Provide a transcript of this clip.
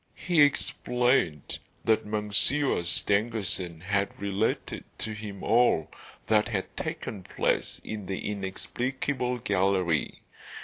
He explained that Monsieur Stangerson had related to him all that had taken place in the inexplicable gallery.